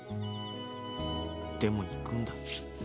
でも行くんだ。